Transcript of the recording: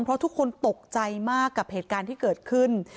เพราะทุกคนตกใจมากกับเหตุการณ์ที่เกิดขึ้น